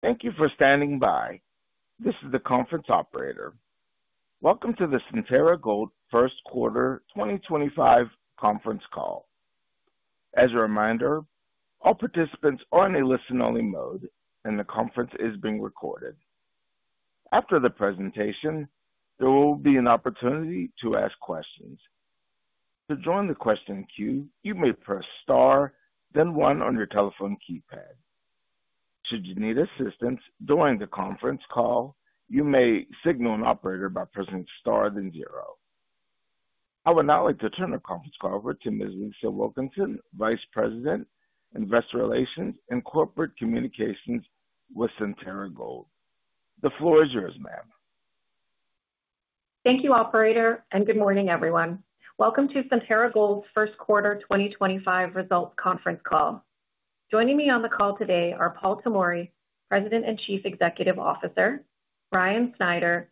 Thank you for standing by. This is the conference operator. Welcome to the Centerra Gold first quarter 2025 conference call. As a reminder, all participants are in a listen-only mode, and the conference is being recorded. After the presentation, there will be an opportunity to ask questions. To join the question queue, you may press star, then one on your telephone keypad. Should you need assistance during the conference call, you may signal an operator by pressing star then zero. I would now like to turn the conference call over to Ms. Lisa Wilkinson, Vice President, Investor Relations and Corporate Communications with Centerra Gold. The floor is yours, ma'am. Thank you, Operator, and good morning, everyone. Welcome to Centerra Gold's First Quarter 2025 results conference call. Joining me on the call today are Paul Tomory, President and Chief Executive Officer; Ryan Snyder,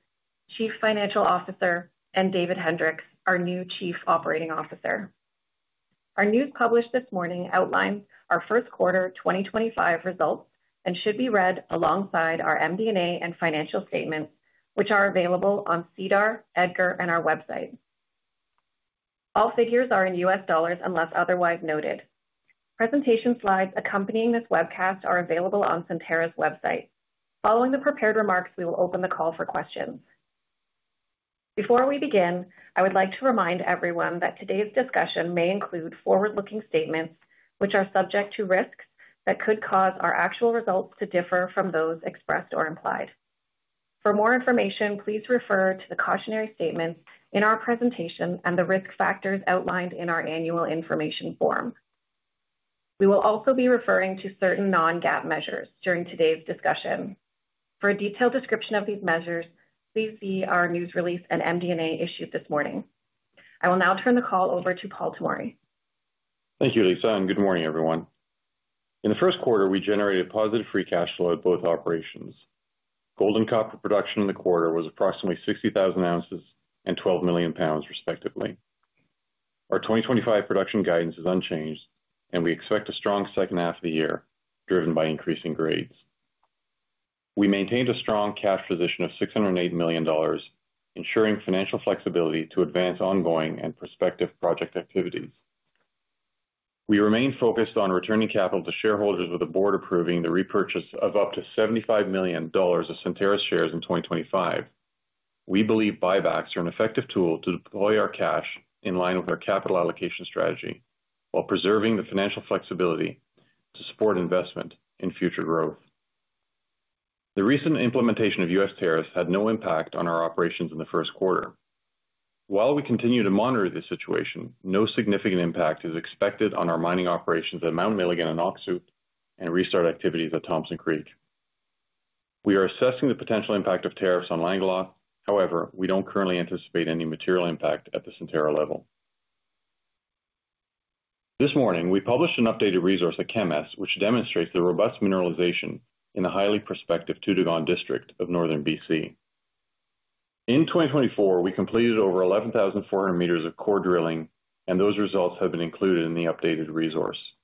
Chief Financial Officer; and David Hendriks, our new Chief Operating Officer. Our news published this morning outlines our First Quarter 2025 results and should be read alongside our MD&A and financial statements, which are available on SEDAR, EDGAR, and our website. All figures are in US dollars unless otherwise noted. Presentation slides accompanying this webcast are available on Centerra's website. Following the prepared remarks, we will open the call for questions. Before we begin, I would like to remind everyone that today's discussion may include forward-looking statements, which are subject to risks that could cause our actual results to differ from those expressed or implied. For more information, please refer to the cautionary statements in our presentation and the risk factors outlined in our annual information form. We will also be referring to certain non-GAAP measures during today's discussion. For a detailed description of these measures, please see our news release and MD&A issued this morning. I will now turn the call over to Paul Tomory. Thank you, Lisa, and good morning, everyone. In the first quarter, we generated positive free cash flow at both operations. Gold and copper production in the quarter was approximately 60,000 ounces and 12 million lbs, respectively. Our 2025 production guidance is unchanged, and we expect a strong second half of the year, driven by increasing grades. We maintained a strong cash position of $608 million, ensuring financial flexibility to advance ongoing and prospective project activities. We remain focused on returning capital to shareholders with the board approving the repurchase of up to $75 million of Centerra's shares in 2025. We believe buybacks are an effective tool to deploy our cash in line with our capital allocation strategy while preserving the financial flexibility to support investment in future growth. The recent implementation of U.S. tariffs had no impact on our operations in the first quarter. While we continue to monitor this situation, no significant impact is expected on our mining operations at Mount Milligan and Öksüt and restart activities at Thompson Creek. We are assessing the potential impact of tariffs on Langeloth. However, we do not currently anticipate any material impact at the Centerra level. This morning, we published an updated resource at Kemess, which demonstrates the robust mineralization in the highly prospective Toodoggone District of northern B.C.. In 2024, we completed over 11,400 m of core drilling, and those results have been included in the updated resource.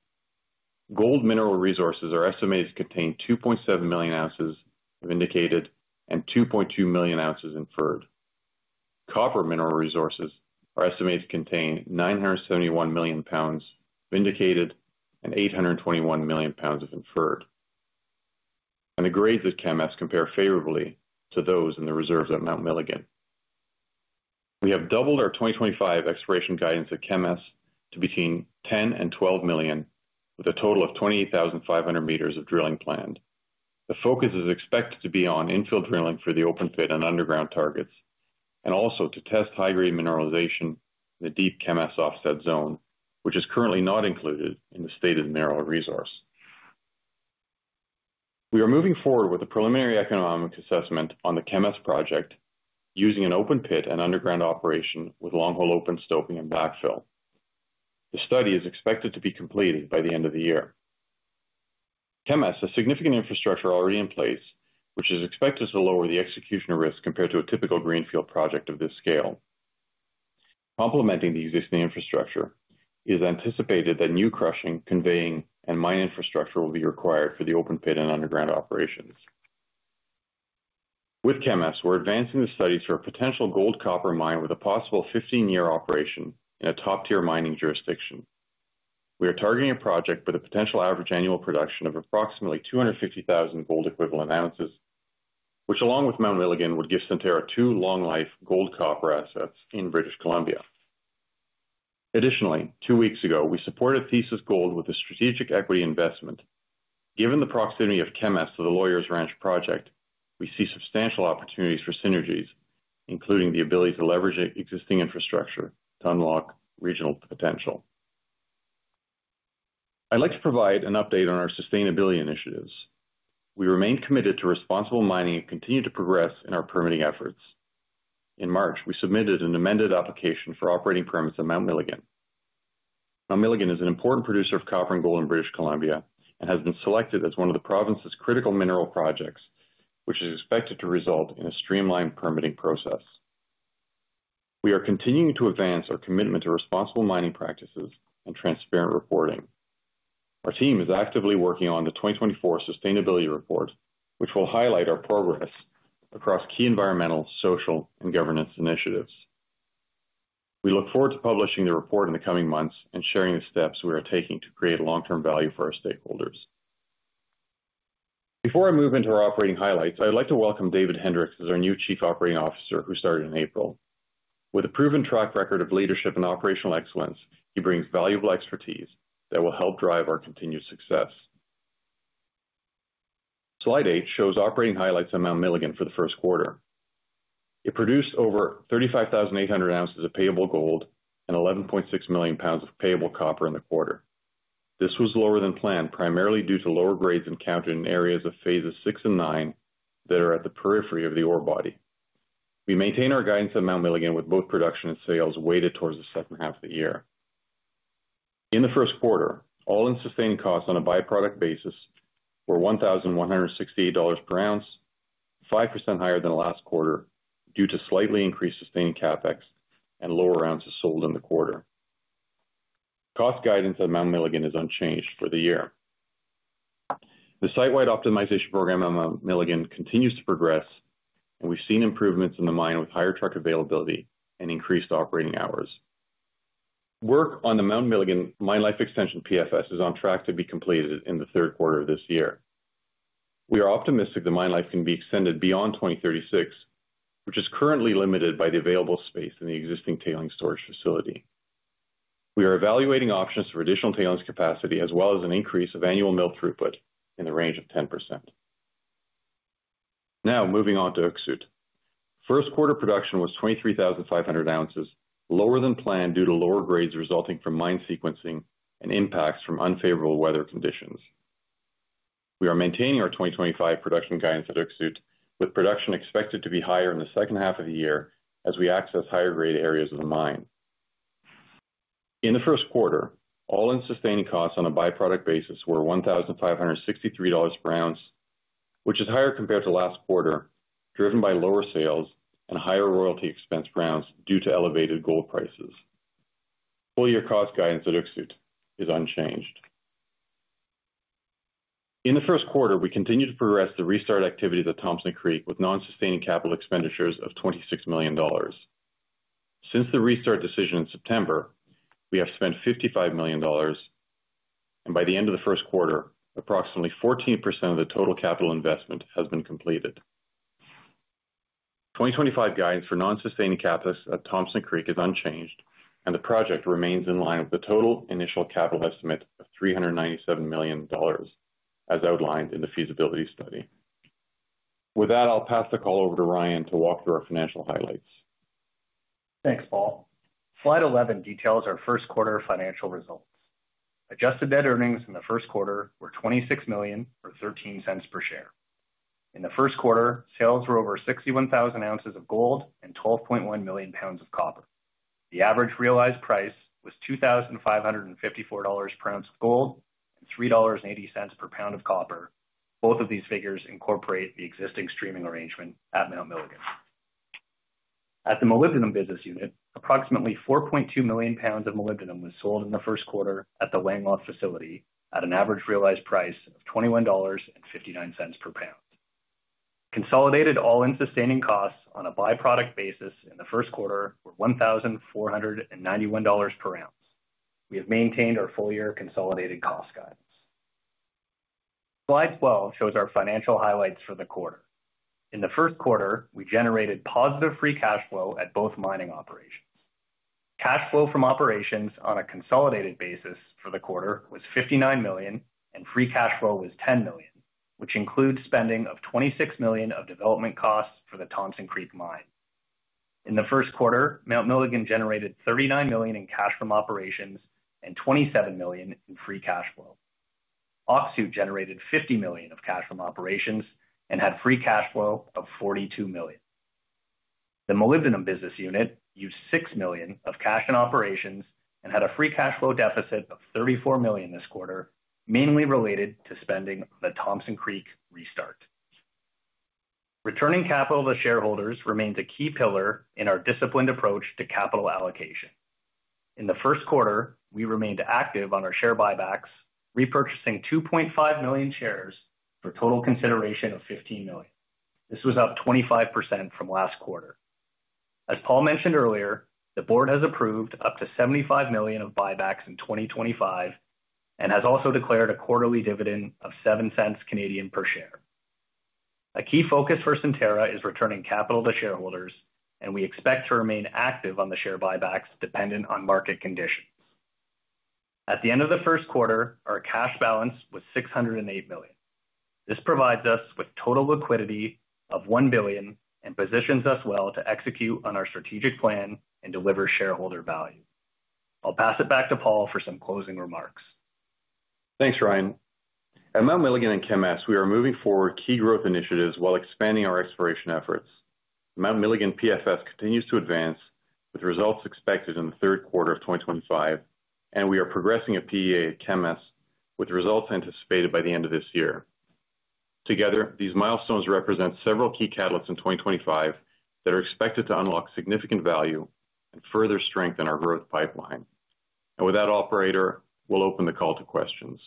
Gold mineral resources are estimated to contain 2.7 million ounces of indicated and 2.2 million ounces inferred. Copper mineral resources are estimated to contain 971 million lbs of indicated and 821 million lbs of inferred. The grades at Kemess compare favorably to those in the reserves at Mount Milligan. We have doubled our 2025 exploration guidance at Kemess to between $10 million and $12 million, with a total of 28,500 m of drilling planned. The focus is expected to be on infill drilling for the open pit and underground targets, and also to test high-grade mineralization in the deep Kemess offset zone, which is currently not included in the stated mineral resource. We are moving forward with a preliminary economic assessment on the Kemess project using an open pit and underground operation with long-hole open stoping and backfill. The study is expected to be completed by the end of the year. Kemess has significant infrastructure already in place, which is expected to lower the execution risk compared to a typical greenfield project of this scale. Complementing the existing infrastructure, it is anticipated that new crushing, conveying, and mine infrastructure will be required for the open pit and underground operations. With Kemess, we're advancing the studies for a potential gold copper mine with a possible 15-year operation in a top-tier mining jurisdiction. We are targeting a project with a potential average annual production of approximately 250,000 gold-equivalent ounces, which, along with Mount Milligan, would give Centerra two long-life gold copper assets in British Columbia. Additionally, two weeks ago, we supported Thesis Gold with a strategic equity investment. Given the proximity of Kemess to the Lawyers Ranch project, we see substantial opportunities for synergies, including the ability to leverage existing infrastructure to unlock regional potential. I'd like to provide an update on our sustainability initiatives. We remain committed to responsible mining and continue to progress in our permitting efforts. In March, we submitted an amended application for operating permits at Mount Milligan. Mount Milligan is an important producer of copper and gold in British Columbia and has been selected as one of the province's critical mineral projects, which is expected to result in a streamlined permitting process. We are continuing to advance our commitment to responsible mining practices and transparent reporting. Our team is actively working on the 2024 sustainability report, which will highlight our progress across key environmental, social, and governance initiatives. We look forward to publishing the report in the coming months and sharing the steps we are taking to create long-term value for our stakeholders. Before I move into our operating highlights, I'd like to welcome David Hendriks as our new Chief Operating Officer, who started in April. With a proven track record of leadership and operational excellence, he brings valuable expertise that will help drive our continued success. Slide eight shows operating highlights at Mount Milligan for the first quarter. It produced over 35,800 ounces of payable gold and 11.6 million lbs of payable copper in the quarter. This was lower than planned, primarily due to lower grades encountered in areas of phases VI and IX that are at the periphery of the ore body. We maintain our guidance at Mount Milligan with both production and sales weighted towards the second half of the year. In the first quarter, all-in sustaining costs on a by-product basis were $1,168 per ounce, 5% higher than last quarter due to slightly increased sustained CapEx and lower ounces sold in the quarter. Cost guidance at Mount Milligan is unchanged for the year. The site-wide optimization program at Mount Milligan continues to progress, and we've seen improvements in the mine with higher truck availability and increased operating hours. Work on the Mount Milligan Mine Life Extension PFS is on track to be completed in the third quarter of this year. We are optimistic the mine life can be extended beyond 2036, which is currently limited by the available space in the existing tailings storage facility. We are evaluating options for additional tailings capacity as well as an increase of annual mill throughput in the range of 10%. Now, moving on to Öksüt. First quarter production was 23,500 ounces, lower than planned due to lower grades resulting from mine sequencing and impacts from unfavorable weather conditions. We are maintaining our 2025 production guidance at Öksüt, with production expected to be higher in the second half of the year as we access higher-grade areas of the mine. In the first quarter, all-in sustaining costs on a by-product basis were $1,563 per ounce, which is higher compared to last quarter, driven by lower sales and higher royalty expense per ounce due to elevated gold prices. Full-year cost guidance at Öksüt is unchanged. In the first quarter, we continue to progress the restart activities at Thompson Creek with non-sustaining capital expenditures of $26 million. Since the restart decision in September, we have spent $55 million, and by the end of the first quarter, approximately 14% of the total capital investment has been completed. 2025 guidance for non-sustaining CapEx at Thompson Creek is unchanged, and the project remains in line with the total initial capital estimate of $397 million, as outlined in the feasibility study. With that, I'll pass the call over to Ryan to walk through our financial highlights. Thanks, Paul. Slide 11 details our first quarter financial results. Adjusted net earnings in the first quarter were $26 million and $0.13 per share. In the first quarter, sales were over 61,000 ounces of gold and 12.1 million lbs of copper. The average realized price was $2,554 per ounce of gold and $3.80 per lbs of copper. Both of these figures incorporate the existing streaming arrangement at Mount Milligan. At the molybdenum business unit, approximately 4.2 million pounds of molybdenum was sold in the first quarter at the Langeloth facility at an average realized price of $21.59 per pound. Consolidated all-in sustaining costs on a by-product basis in the first quarter were $1,491 per ounce. We have maintained our full-year consolidated cost guidance. Slide 12 shows our financial highlights for the quarter. In the first quarter, we generated positive free cash flow at both mining operations. Cash flow from operations on a consolidated basis for the quarter was $59 million, and free cash flow was $10 million, which includes spending of $26 million of development costs for the Thompson Creek mine. In the first quarter, Mount Milligan generated $39 million in cash from operations and $27 million in free cash flow. Öksüt generated $50 million of cash from operations and had free cash flow of $42 million. The molybdenum business unit used $6 million of cash in operations and had a free cash flow deficit of $34 million this quarter, mainly related to spending on the Thompson Creek restart. Returning capital to shareholders remains a key pillar in our disciplined approach to capital allocation. In the first quarter, we remained active on our share buybacks, repurchasing 2.5 million shares for a total consideration of $15 million. This was up 25% from last quarter. As Paul mentioned earlier, the board has approved up to $75 million of buybacks in 2025 and has also declared a quarterly dividend of 0.07 per share. A key focus for Centerra is returning capital to shareholders, and we expect to remain active on the share buybacks dependent on market conditions. At the end of the first quarter, our cash balance was $608 million. This provides us with total liquidity of $1 billion and positions us well to execute on our strategic plan and deliver shareholder value. I'll pass it back to Paul for some closing remarks. Thanks, Ryan. At Mount Milligan and Kemess, we are moving forward key growth initiatives while expanding our exploration efforts. Mount Milligan PFS continues to advance with results expected in the third quarter of 2025, and we are progressing a PEA at Kemess with results anticipated by the end of this year. Together, these milestones represent several key catalysts in 2025 that are expected to unlock significant value and further strengthen our growth pipeline. With that, Operator, we'll open the call to questions.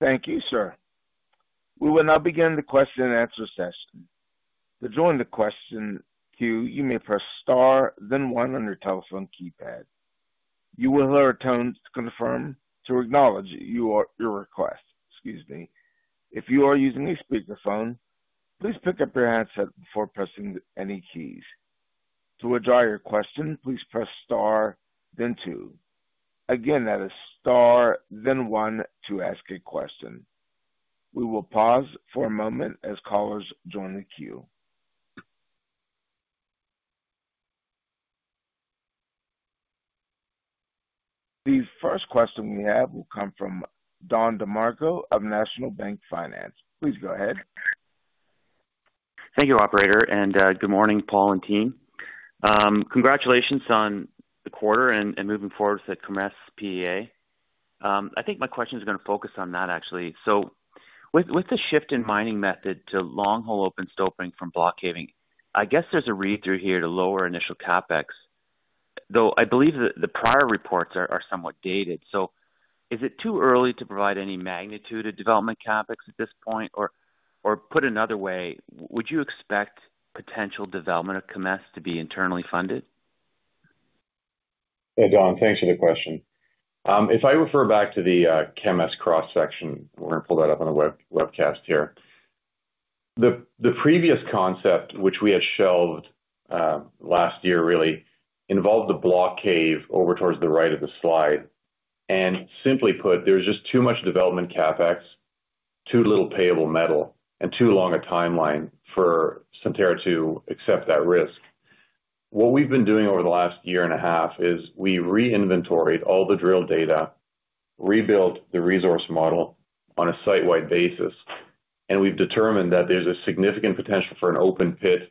Thank you, sir. We will now begin the question and answer session. To join the question queue, you may press star, then one on your telephone keypad. You will hear a tone to acknowledge your request. Excuse me. If you are using a speakerphone, please pick up your handset before pressing any keys. To withdraw your question, please press star, then two. Again, that is star, then one to ask a question. We will pause for a moment as callers join the queue. The first question we have will come from Don DeMarco of National Bank Financial. Please go ahead. Thank you, Operator, and good morning, Paul and team. Congratulations on the quarter and moving forward to the Kemess PEA. I think my question is going to focus on that, actually. With the shift in mining method to long-hole open stoping from block caving, I guess there's a read-through here to lower initial CapEx, though I believe the prior reports are somewhat dated. Is it too early to provide any magnitude of development CapEx at this point? Or put another way, would you expect potential development of Kemess to be internally funded? Yeah, Don, thanks for the question. If I refer back to the Kemess cross-section, we're going to pull that up on the webcast here. The previous concept, which we had shelved last year, really involved the block cave over towards the right of the slide. Simply put, there's just too much development CapEx, too little payable metal, and too long a timeline for Centerra to accept that risk. What we've been doing over the last year and a half is we reinventoried all the drill data, rebuilt the resource model on a site-wide basis, and we've determined that there's a significant potential for an open pit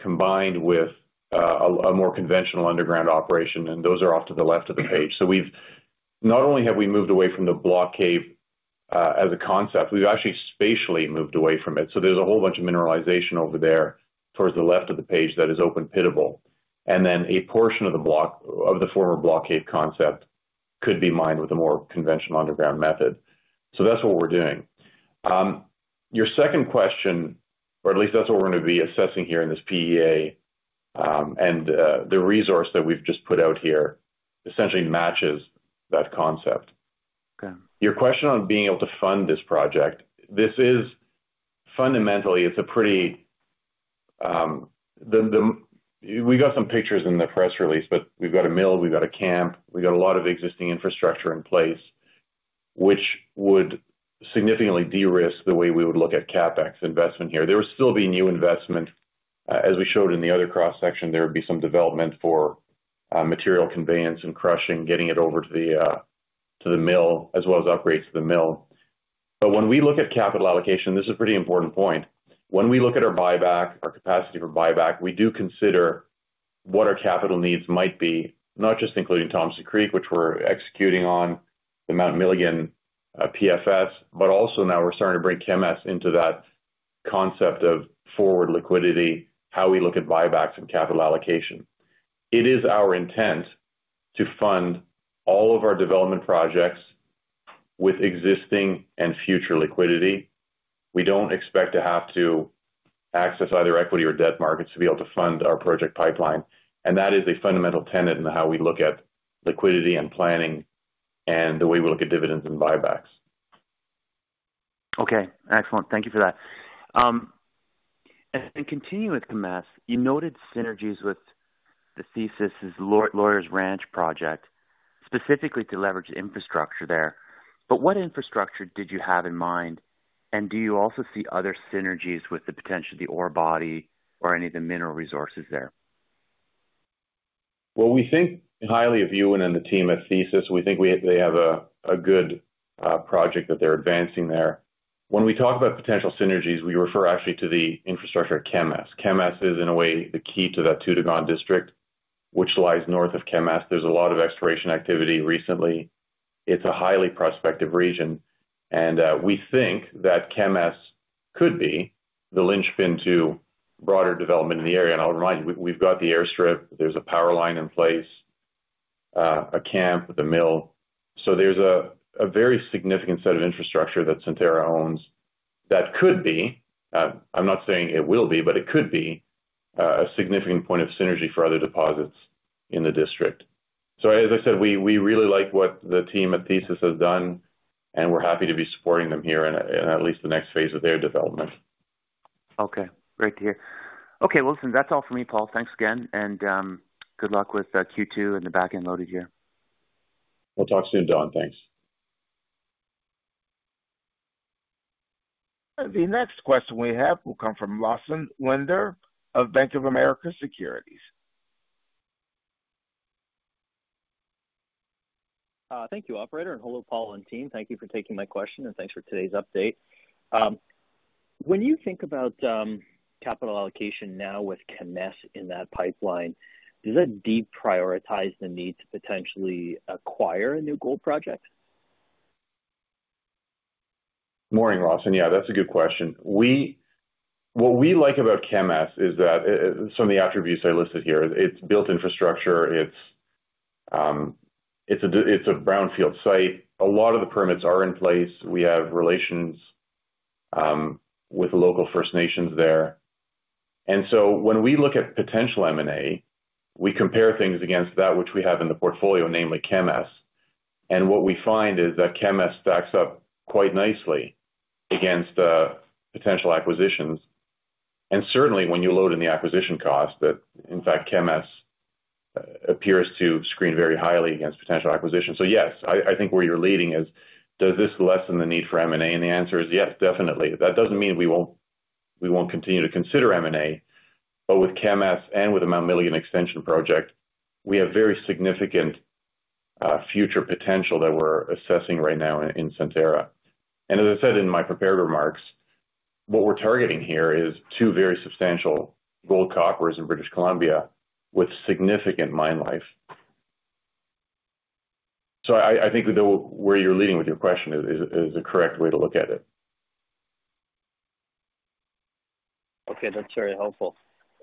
combined with a more conventional underground operation. Those are off to the left of the page. Not only have we moved away from the block cave as a concept, we've actually spatially moved away from it. There is a whole bunch of mineralization over there towards the left of the page that is open pittable. Then a portion of the former block cave concept could be mined with a more conventional underground method. That is what we are doing. Your second question, or at least that is what we are going to be assessing here in this PEA, and the resource that we have just put out here essentially matches that concept. Your question on being able to fund this project, this is fundamentally, it is a pretty—we got some pictures in the press release, but we have got a mill, we have got a camp, we have got a lot of existing infrastructure in place, which would significantly de-risk the way we would look at CapEx investment here. There would still be new investment. As we showed in the other cross-section, there would be some development for material conveyance and crushing, getting it over to the mill, as well as upgrades to the mill. When we look at capital allocation, this is a pretty important point. When we look at our buyback, our capacity for buyback, we do consider what our capital needs might be, not just including Thompson Creek, which we're executing on the Mount Milligan PFS, but also now we're starting to bring Kemess into that concept of forward liquidity, how we look at buybacks and capital allocation. It is our intent to fund all of our development projects with existing and future liquidity. We do not expect to have to access either equity or debt markets to be able to fund our project pipeline. That is a fundamental tenet in how we look at liquidity and planning and the way we look at dividends and buybacks. Okay. Excellent. Thank you for that. Then continuing with Kemess, you noted synergies with Thesis's Lawyers-Ranch Project, specifically to leverage infrastructure there. What infrastructure did you have in mind? Do you also see other synergies with the potential of the ore body or any of the mineral resources there? We think highly of you and the team at Thesis. We think they have a good project that they're advancing there. When we talk about potential synergies, we refer actually to the infrastructure at Kemess. Kemess is, in a way, the key to that Toodoggone District, which lies north of Kemess. There's a lot of exploration activity recently. It's a highly prospective region. We think that Kemess could be the linchpin to broader development in the area. I'll remind you, we've got the airstrip, there's a power line in place, a camp, the mill. There's a very significant set of infrastructure that Centerra owns that could be—I'm not saying it will be, but it could be a significant point of synergy for other deposits in the district. As I said, we really like what the team at Thesis has done, and we're happy to be supporting them here in at least the next phase of their development. Okay. Great to hear. Okay. Listen, that's all for me, Paul. Thanks again. Good luck with Q2 and the backend loaded here. We'll talk soon, Don. Thanks. The next question we have will come from Lawson Winder of Bank of America Securities. Thank you, Operator, and hello, Paul and team. Thank you for taking my question, and thanks for today's update. When you think about capital allocation now with Kemess in that pipeline, does that deprioritize the need to potentially acquire a new gold project? Morning, Lawson. Yeah, that's a good question. What we like about Kemess is that, some of the attributes I listed here, it's built infrastructure, it's a brownfield site. A lot of the permits are in place. We have relations with local First Nations there. When we look at potential M&A, we compare things against that which we have in the portfolio, namely Kemess. What we find is that Kemess stacks up quite nicely against potential acquisitions. Certainly, when you load in the acquisition cost, in fact, Kemess appears to screen very highly against potential acquisitions. Yes, I think where you're leading is, does this lessen the need for M&A? The answer is yes, definitely. That doesn't mean we won't continue to consider M&A. With Kemess and with the Mount Milligan extension project, we have very significant future potential that we're assessing right now in Centerra. As I said in my prepared remarks, what we're targeting here is two very substantial gold-coppers in British Columbia with significant mine life. I think where you're leading with your question is the correct way to look at it. Okay. That's very helpful.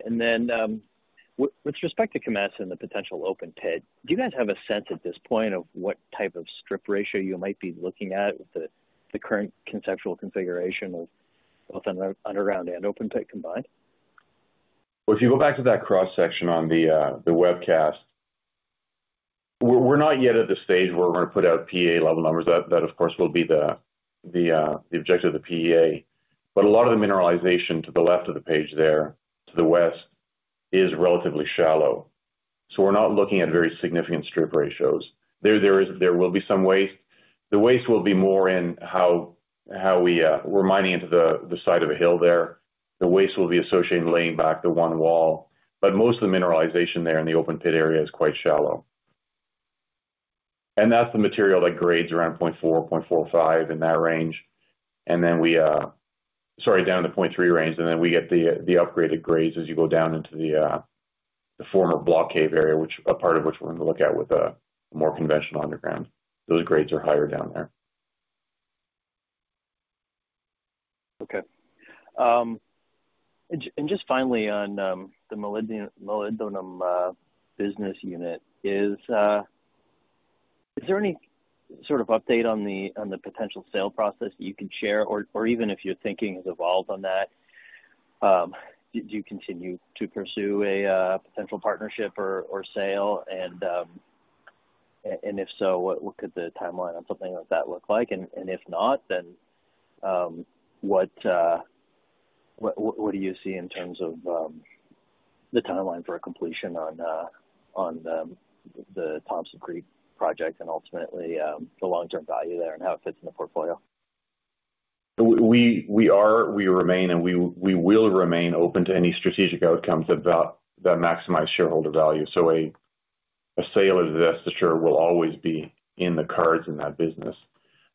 With respect to Kemess and the potential open pit, do you guys have a sense at this point of what type of strip ratio you might be looking at with the current conceptual configuration of both underground and open pit combined? If you go back to that cross-section on the webcast, we're not yet at the stage where we're going to put out PEA level numbers. That, of course, will be the objective of the PEA. A lot of the mineralization to the left of the page there, to the west, is relatively shallow. We are not looking at very significant strip ratios. There will be some waste. The waste will be more in how we're mining into the side of a hill there. The waste will be associated in laying back the one wall. Most of the mineralization there in the open pit area is quite shallow. That is the material that grades around 0.4-0.45 in that range. Then we—sorry, down in the 0.3 range. We get the upgraded grades as you go down into the former block cave area, which a part of which we're going to look at with a more conventional underground. Those grades are higher down there. Okay. Just finally on the molybdenum business unit, is there any sort of update on the potential sale process that you can share? Or even if your thinking has evolved on that, do you continue to pursue a potential partnership or sale? If so, what could the timeline on something like that look like? If not, then what do you see in terms of the timeline for a completion on the Thompson Creek project and ultimately the long-term value there and how it fits in the portfolio? We are, we remain, and we will remain open to any strategic outcomes that maximize shareholder value. A sale of this, for sure, will always be in the cards in that business.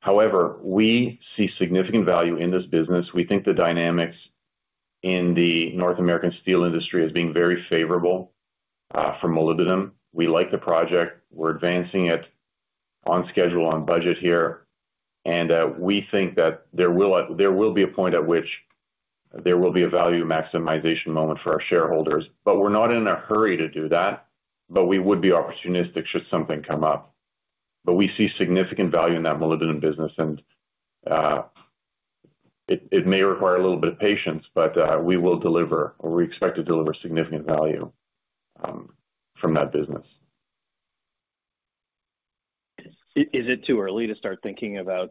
However, we see significant value in this business. We think the dynamics in the North American steel industry is being very favorable for molybdenum. We like the project. We're advancing it on schedule, on budget here. We think that there will be a point at which there will be a value maximization moment for our shareholders. We are not in a hurry to do that. We would be opportunistic should something come up. We see significant value in that molybdenum business. It may require a little bit of patience, but we will deliver, or we expect to deliver, significant value from that business. Is it too early to start thinking about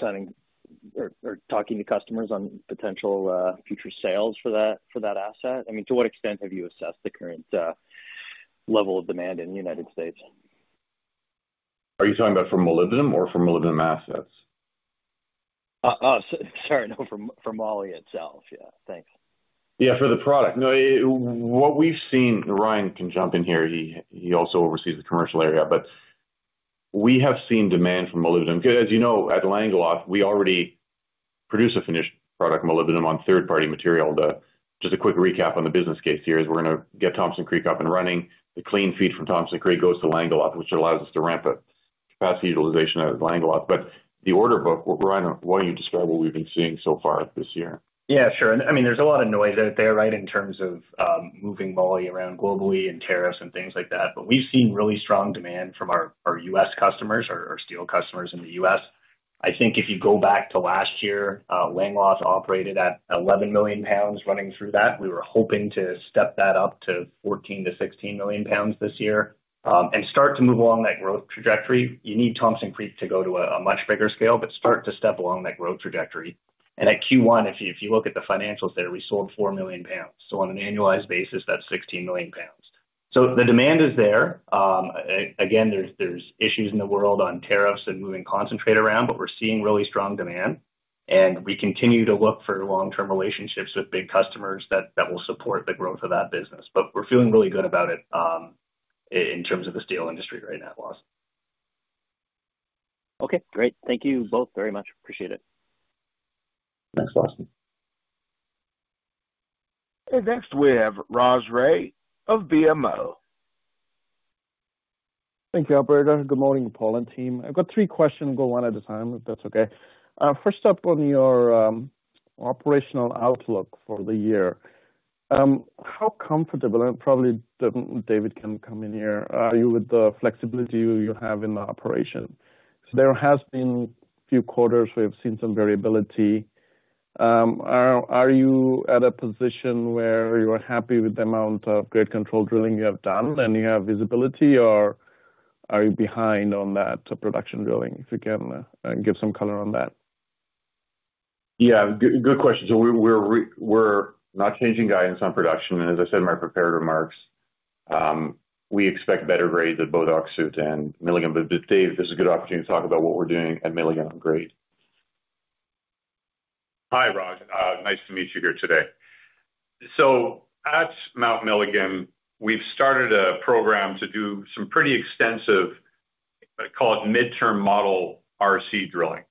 signing or talking to customers on potential future sales for that asset? I mean, to what extent have you assessed the current level of demand in the U.S.? Are you talking about for molybdenum or for molybdenum assets? Sorry, no, for moly itself. Yeah. Thanks. Yeah, for the product. No, what we've seen—Ryan can jump in here. He also oversees the commercial area. We have seen demand for molybdenum. As you know, at Langeloth, we already produce a finished product, molybdenum, on third-party material. Just a quick recap on the business case here is we're going to get Thompson Creek up and running. The clean feed from Thompson Creek goes to Langeloth, which allows us to ramp up capacity utilization at Langeloth. The order book, Ryan, why don't you describe what we've been seeing so far this year? Yeah, sure. I mean, there's a lot of noise out there, right, in terms of moving moly around globally and tariffs and things like that. But we've seen really strong demand from our U.S. customers, our steel customers in the U.S. I think if you go back to last year, Langeloth operated at 11 million lbs running through that. We were hoping to step that up to 14 million lbs-16 million lbs this year and start to move along that growth trajectory. You need Thompson Creek to go to a much bigger scale, but start to step along that growth trajectory. At Q1, if you look at the financials there, we sold 4 million lbs. On an annualized basis, that's 16 million lbs. The demand is there. Again, there's issues in the world on tariffs and moving concentrate around, but we're seeing really strong demand. We continue to look for long-term relationships with big customers that will support the growth of that business. We are feeling really good about it in terms of the steel industry right now, Lawson. Okay. Great. Thank you both very much. Appreciate it. Thanks, Lawson. Next, we have Raj Ray of BMO. Thank you, Operator. Good morning, Paul and team. I've got three questions, go one at a time, if that's okay. First up on your operational outlook for the year, how comfortable—and probably David can come in here—are you with the flexibility you have in the operation? There have been a few quarters where we've seen some variability. Are you at a position where you're happy with the amount of grid control drilling you have done and you have visibility, or are you behind on that production drilling, if you can give some color on that? Yeah. Good question. We are not changing guidance on production. As I said in my prepared remarks, we expect better grades at both Öksüt and Mount Milligan. Dave, this is a good opportunity to talk about what we are doing at Mount Milligan on grade. Hi, Raj. Nice to meet you here today. At Mount Milligan, we've started a program to do some pretty extensive, call it midterm model RC drilling.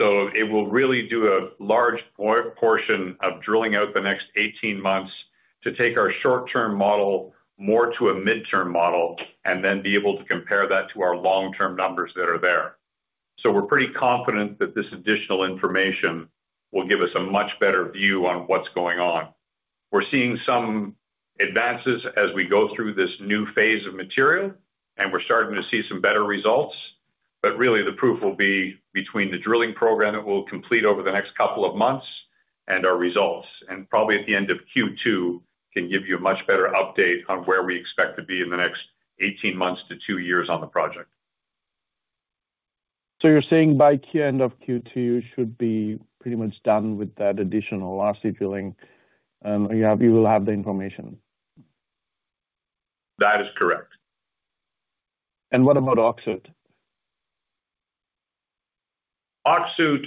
It will really do a large portion of drilling out the next 18 months to take our short-term model more to a midterm model and then be able to compare that to our long-term numbers that are there. We're pretty confident that this additional information will give us a much better view on what's going on. We're seeing some advances as we go through this new phase of material, and we're starting to see some better results. Really, the proof will be between the drilling program that we'll complete over the next couple of months and our results. Probably at the end of Q2, can give you a much better update on where we expect to be in the next 18 months to two years on the project. You're saying by the end of Q2, you should be pretty much done with that additional RC drilling, and you will have the information? That is correct. What about Öksüt? Öksüt,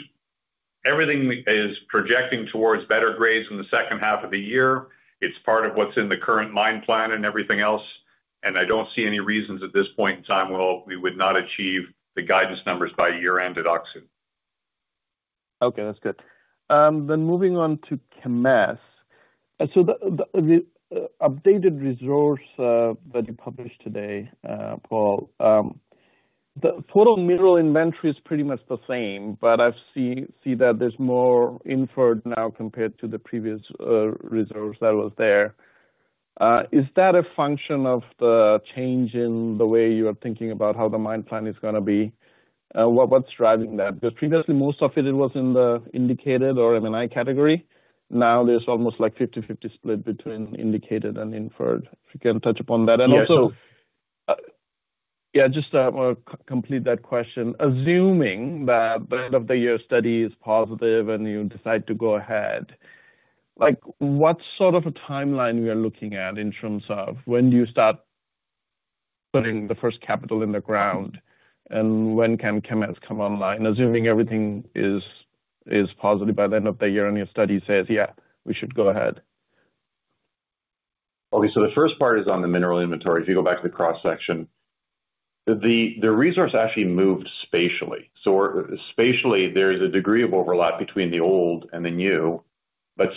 everything is projecting towards better grades in the second half of the year. It's part of what's in the current mine plan and everything else. I don't see any reasons at this point in time where we would not achieve the guidance numbers by year-end at Öksüt. Okay. That's good. Moving on to Kemess. The updated resource that you published today, Paul, the total mineral inventory is pretty much the same, but I see that there's more inferred now compared to the previous resource that was there. Is that a function of the change in the way you are thinking about how the mine plan is going to be? What's driving that? Because previously, most of it was in the indicated or M&I category. Now there's almost like a 50/50 split between indicated and inferred. If you can touch upon that. Yeah, just to complete that question, assuming that the end of the year study is positive and you decide to go ahead, what sort of a timeline are we looking at in terms of when do you start putting the first capital in the ground, and when can Kemess come online, assuming everything is positive by the end of the year and your study says, "Yeah, we should go ahead"? Okay. The first part is on the mineral inventory. If you go back to the cross-section, the resource actually moved spatially. Spatially, there is a degree of overlap between the old and the new.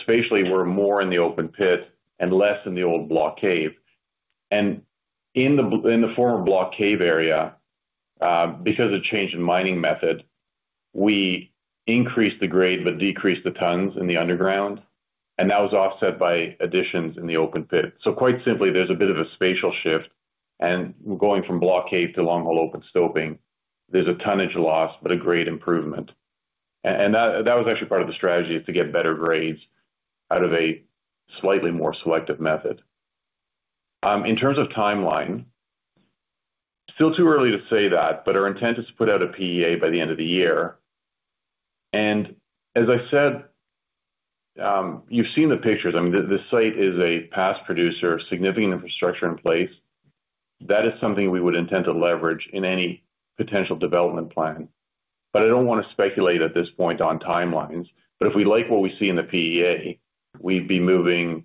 Spatially, we are more in the open pit and less in the old block cave. In the former block cave area, because of change in mining method, we increased the grade but decreased the tons in the underground. That was offset by additions in the open pit. Quite simply, there is a bit of a spatial shift. Going from block cave to long-hole open stoping, there is a tonnage loss but a grade improvement. That was actually part of the strategy, to get better grades out of a slightly more selective method. In terms of timeline, still too early to say that, but our intent is to put out a PEA by the end of the year. As I said, you've seen the pictures. I mean, the site is a past producer, significant infrastructure in place. That is something we would intend to leverage in any potential development plan. I do not want to speculate at this point on timelines. If we like what we see in the PEA, we'd be moving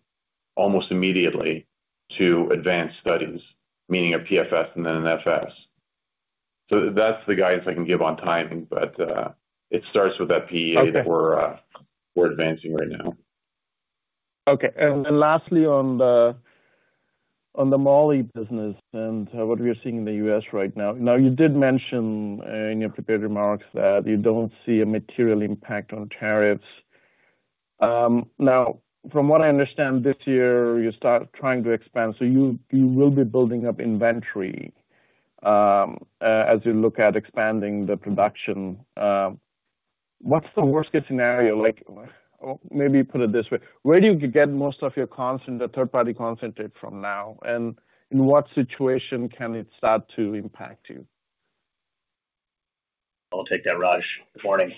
almost immediately to advanced studies, meaning a PFS and then an FS. That is the guidance I can give on timing. It starts with that PEA that we're advancing right now. Okay. Lastly, on the moly business and what we are seeing in the U.S. right now. You did mention in your prepared remarks that you do not see a material impact on tariffs. From what I understand, this year, you start trying to expand. You will be building up inventory as you look at expanding the production. What is the worst-case scenario? Maybe put it this way. Where do you get most of your third-party concentrate from now? In what situation can it start to impact you? I'll take that, Raj. Good morning.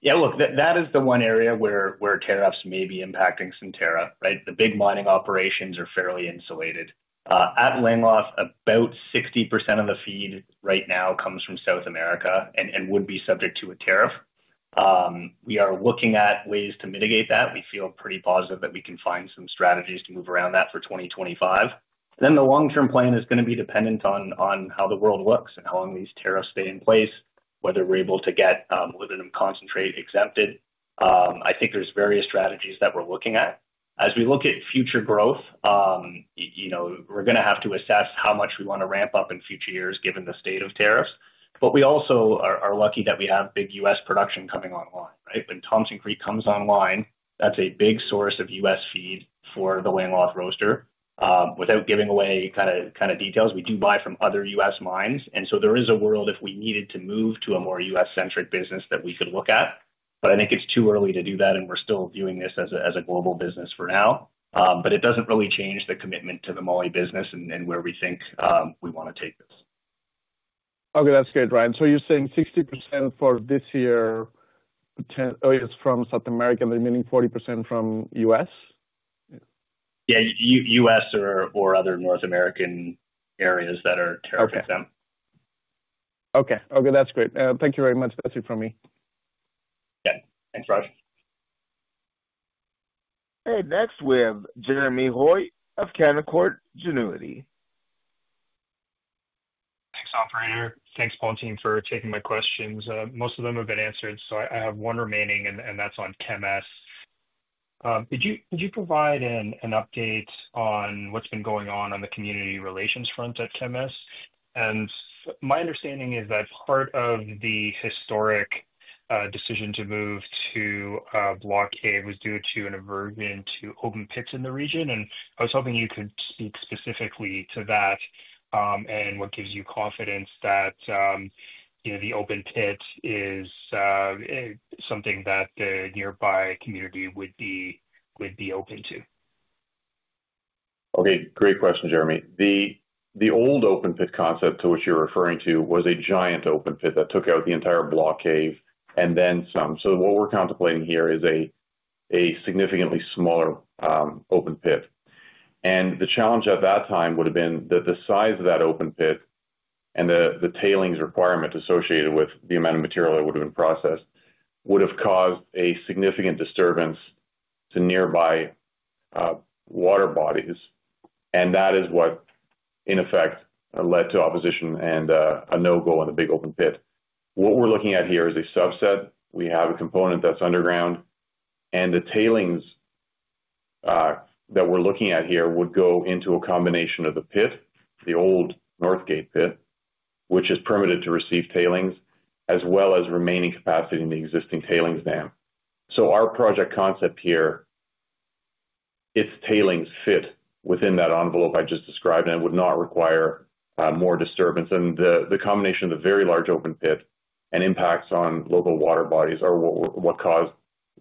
Yeah. Look, that is the one area where tariffs may be impacting some tariff, right? The big mining operations are fairly insulated. At Langeloth, about 60% of the feed right now comes from South America and would be subject to a tariff. We are looking at ways to mitigate that. We feel pretty positive that we can find some strategies to move around that for 2025. The long-term plan is going to be dependent on how the world looks and how long these tariffs stay in place, whether we're able to get molybdenum concentrate exempted. I think there's various strategies that we're looking at. As we look at future growth, we're going to have to assess how much we want to ramp up in future years given the state of tariffs. We also are lucky that we have big U.S. Production coming online, right? When Thompson Creek comes online, that's a big source of U.S. feed for the Langeloth roaster. Without giving away kind of details, we do buy from other U.S. mines. There is a world if we needed to move to a more U.S.-centric business that we could look at. I think it's too early to do that, and we're still viewing this as a global business for now. It doesn't really change the commitment to the molybdenum business and where we think we want to take this. Okay. That's good, Ryan. So you're saying 60% for this year, oh, it's from South America, meaning 40% from U.S.? Yeah. U.S. or other North American areas that are tariff exempt. Okay. Okay. That's great. Thank you very much. That's it from me. Yeah. Thanks, Raj. Next, we have Jeremy Hoy of Canaccord Genuity. Thanks, Operator. Thanks, Paul, for taking my questions. Most of them have been answered. I have one remaining, and that's on Kemess. Could you provide an update on what's been going on on the community relations front at Kemess? My understanding is that part of the historic decision to move to block caving was due to an aversion to open pits in the region. I was hoping you could speak specifically to that and what gives you confidence that the open pit is something that the nearby community would be open to. Okay. Great question, Jeremy. The old open pit concept to which you're referring to was a giant open pit that took out the entire block cave and then some. What we're contemplating here is a significantly smaller open pit. The challenge at that time would have been that the size of that open pit and the tailings requirement associated with the amount of material that would have been processed would have caused a significant disturbance to nearby water bodies. That is what, in effect, led to opposition and a no-go on the big open pit. What we're looking at here is a subset. We have a component that's underground. The tailings that we're looking at here would go into a combination of the pit, the old Northgate pit, which is permitted to receive tailings, as well as remaining capacity in the existing tailings dam. Our project concept here, its tailings fit within that envelope I just described, and it would not require more disturbance. The combination of the very large open pit and impacts on local water bodies are what caused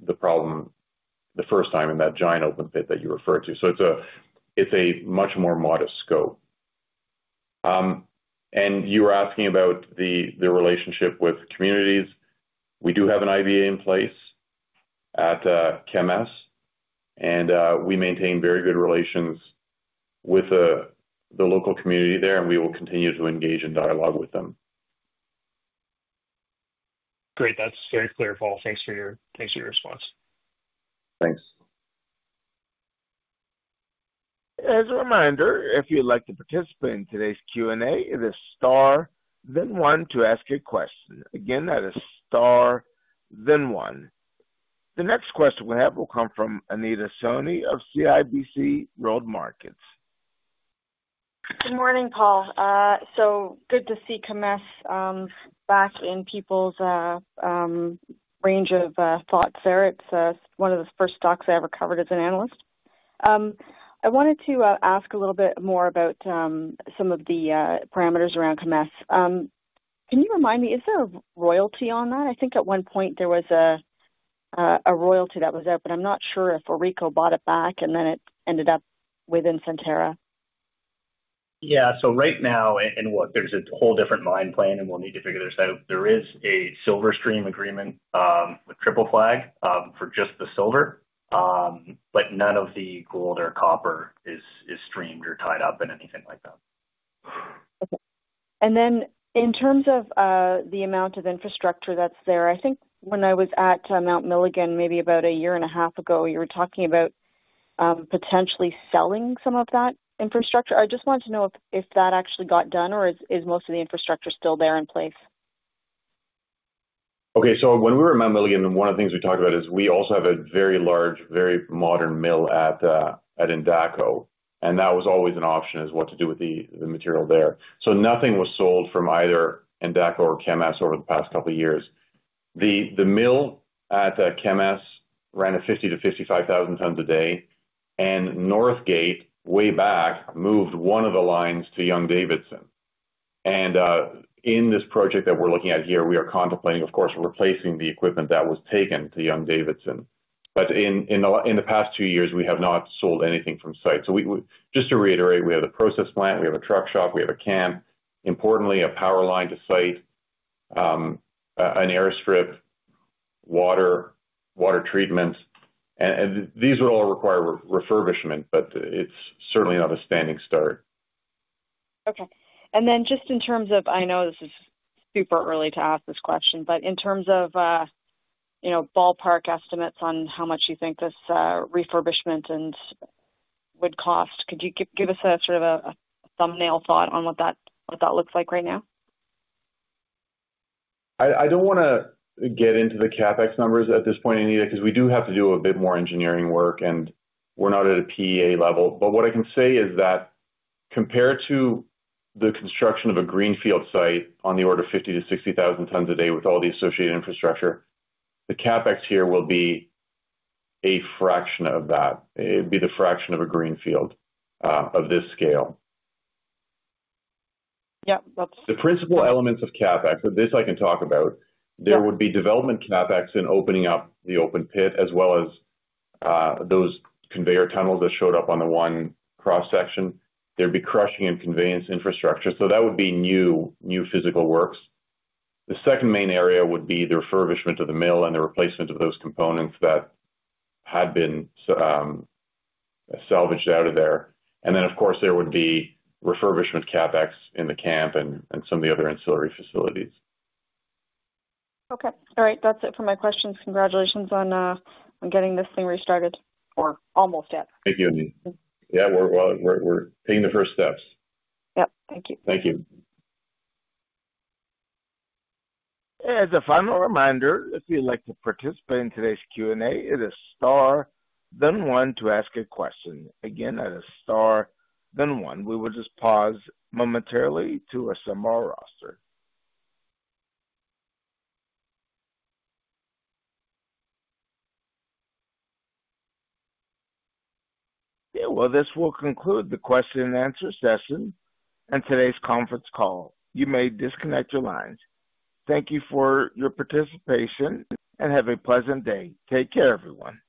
the problem the first time in that giant open pit that you referred to. It is a much more modest scope. You were asking about the relationship with communities. We do have an IVA in place at Kemess, and we maintain very good relations with the local community there, and we will continue to engage in dialogue with them. Great. That's very clear, Paul. Thanks for your response. Thanks. As a reminder, if you'd like to participate in today's Q&A, it is star, then one to ask a question. Again, that is star, then one. The next question we have will come from Anita Soni of CIBC World Markets. Good morning, Paul. So good to see Kemess back in people's range of thoughts. AuRico it's one of the first stocks I ever covered as an analyst. I wanted to ask a little bit more about some of the parameters around Kemess. Can you remind me, is there a royalty on that? I think at one point there was a royalty that was out, but I'm not sure if AuRico bought it back, and then it ended up within Centerra. Yeah. So right now, there's a whole different line plan, and we'll need to figure this out. There is a silver stream agreement with Triple Flag for just the silver, but none of the gold or copper is streamed or tied up in anything like that. Okay. In terms of the amount of infrastructure that's there, I think when I was at Mount Milligan maybe about a year and a half ago, you were talking about potentially selling some of that infrastructure. I just wanted to know if that actually got done, or is most of the infrastructure still there in place? Okay. When we were at Mount Milligan, one of the things we talked about is we also have a very large, very modern mill at Endako. That was always an option as to what to do with the material there. Nothing was sold from either Indaco or Kemess over the past couple of years. The mill at Kemess ran 50,000 tons-55,000 tons a day. Northgate, way back, moved one of the lines to Young-Davidson. In this project that we are looking at here, we are contemplating, of course, replacing the equipment that was taken to Young-Davidson. In the past two years, we have not sold anything from site. Just to reiterate, we have a process plant, we have a truck shop, we have a camp, importantly, a power line to site, an airstrip, water treatments. These would all require refurbishment, but it's certainly not a standing start. Okay. In terms of—I know this is super early to ask this question—in terms of ballpark estimates on how much you think this refurbishment would cost, could you give us a sort of a thumbnail thought on what that looks like right now? I don't want to get into the CapEx numbers at this point, Anita, because we do have to do a bit more engineering work, and we're not at a PEA level. What I can say is that compared to the construction of a greenfield site on the order of 50,000 tons-60,000 tons a day with all the associated infrastructure, the CapEx here will be a fraction of that. It would be the fraction of a greenfield of this scale. Yep. That's. The principal elements of CapEx, this I can talk about. There would be development CapEx in opening up the open pit, as well as those conveyor tunnels that showed up on the one cross-section. There would be crushing and conveyance infrastructure. That would be new physical works. The second main area would be the refurbishment of the mill and the replacement of those components that had been salvaged out of there. Of course, there would be refurbishment CapEx in the camp and some of the other ancillary facilities. Okay. All right. That's it for my questions. Congratulations on getting this thing restarted or almost yet. Thank you, Anita. Yeah. We're putting the first steps. Yep. Thank you. Thank you. As a final reminder, if you'd like to participate in today's Q&A, it is star, then one to ask a question. Again, that is star, then one. We will just pause momentarily to assemble our roster. This will conclude the question and answer session and today's conference call. You may disconnect your lines. Thank you for your participation and have a pleasant day. Take care, everyone.